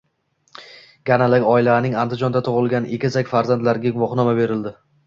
Ganalik oilaning Andijonda tug‘ilgan egizak farzandlariga guvohnoma berildi